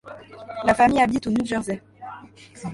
La famille habite au New Jersey.